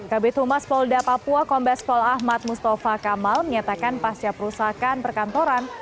kabit humas polda papua kombes pol ahmad mustafa kamal menyatakan pasca perusahaan perkantoran